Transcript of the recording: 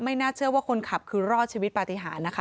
น่าเชื่อว่าคนขับคือรอดชีวิตปฏิหารนะคะ